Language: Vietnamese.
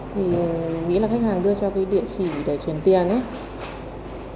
thì nghĩ là khách hàng đưa cho cái địa chỉ để chuyển tiền ấy